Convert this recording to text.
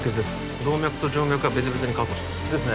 動脈と静脈は別々に確保しますか？